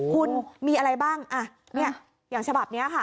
คุณมีอะไรบ้างอ่ะเนี่ยอย่างฉบับนี้ค่ะ